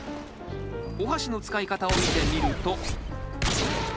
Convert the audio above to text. おはしの使い方を見てみると。